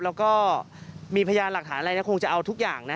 แล้วก็มีพยานหลักฐานอะไรนะคงจะเอาทุกอย่างนะ